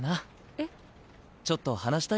えっ？